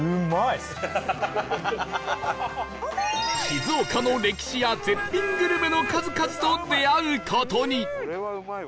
静岡の歴史や絶品グルメの数々と出会う事に